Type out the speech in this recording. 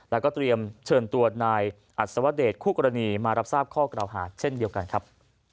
แล้วก็เตรียมเชิญตัวนายอัศวเดชคู่กรณีมารับทราบข้อกล่าวหาเช่นเดียวกันครับ